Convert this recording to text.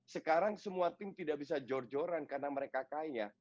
sekarang semua tim tidak bisa jor joran karena mereka kaya